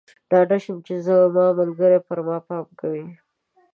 ډاډه شم چې زما ملګری پر ما پام کوي.